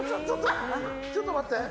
ちょっと待って。